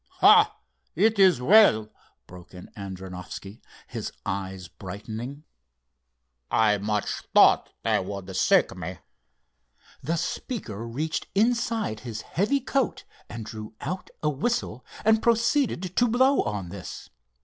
"Ah, it is well," broke in Adrianoffski, his eyes brightening. "I much thought they would seek me." The speaker reached inside his heavy coat and drew out a whistle, and proceeded to blow on this.